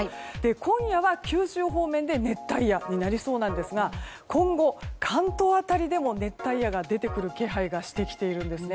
今夜は九州方面で熱帯夜になりそうなんですが今後、関東辺りでも熱帯夜が出てくる気配がしてきているんですね。